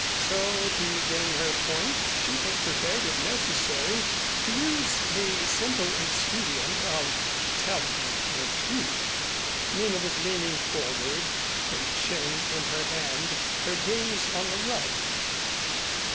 So, to gain her point, she was prepared if necessary to use the simple expedient of telling the truth. Nina was leaning forward, her chin in her hand, her gaze on the rug.